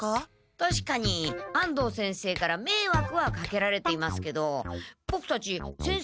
たしかに安藤先生からめいわくはかけられていますけどボクたち先生をお世話したおぼえはありません。